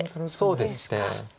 そうですね。